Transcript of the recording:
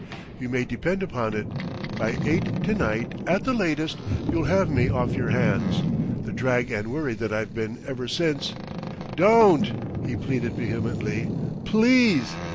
You may depend upon it, by eight to night, at the latest, you'll have me off your hands, the drag and worry that I've been ever since " "Don't!" he pleaded vehemently. "Please!...